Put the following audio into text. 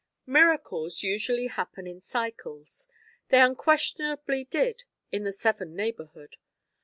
Miracles usually happen in cycles. They unquestionably did in the Severn neighborhood.